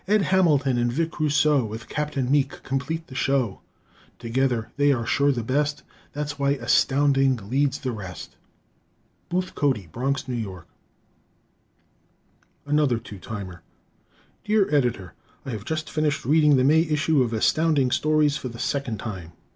Ed Hamilton and Vic Rousseau With Captain Meek complete the show. Together they are sure the best; That's why Astounding leads the rest! Booth Cody, Bronx, N. Y. Another "Two Timer" Dear Editor: I have just finished reading the May issue of Astounding Stories for the second time.